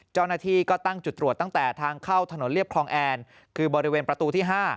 เจ้าหน้าที่ก็ตั้งจุดตรวจตั้งแต่ทางเข้าถนนเรียบคลองแอนคือบริเวณประตูที่๕